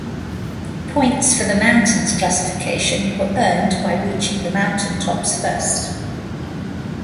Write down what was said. Points for the mountains classification were earned by reaching the mountain tops first.